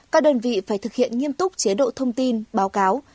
các đơn vị phải thực hiện nghiêm túc chế độ thông tin báo cáo